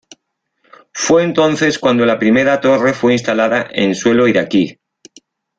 Fue entonces cuando la primera torre fue instalada en suelo iraquí.